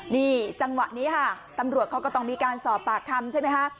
นี่จังหวะนี้ค่ะตำรวจเขาก็ต้องมีการสอบปากคำใช่ไหมคะ